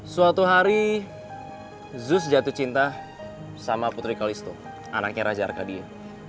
suatu hari zeus jatuh cinta sama putri kalisto anaknya raja arkadius